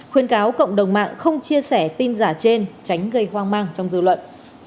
khuyên cáo cộng đồng mạng không chia sẻ tin giả trên tránh gây hoang mang trong dư luận